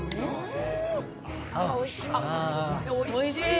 おいしい。